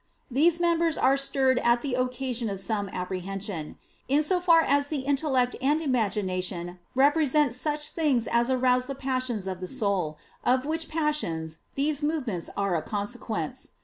These members are stirred at the occasion of some apprehension; in so far as the intellect and imagination represent such things as arouse the passions of the soul, of which passions these movements are a consequence.